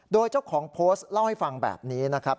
โดยเจ้าของโพสต์เล่าให้ฟังแบบนี้นะครับ